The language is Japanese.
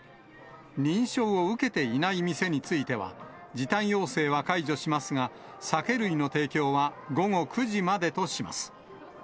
認証を受けていない店については、時短要請は解除しますが、酒類の提供は午後９時までとします。